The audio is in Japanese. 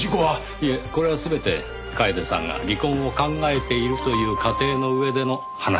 いえこれは全て楓さんが離婚を考えているという仮定の上での話です。